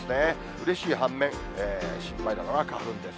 うれしい半面、心配なのは花粉です。